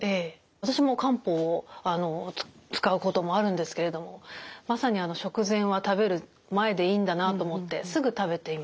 私も漢方を使うこともあるんですけれどもまさに食前は食べる前でいいんだなあと思ってすぐ食べていました。